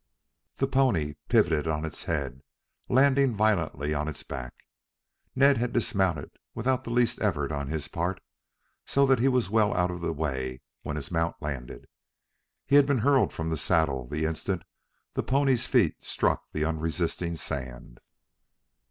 The pony pivoted on its head, landing violently on its back. Ned had dismounted without the least effort on his part, so that he was well out of the way when his mount landed. He had been hurled from the saddle the instant the pony's feet struck the unresisting sand.